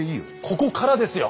ここからですよ！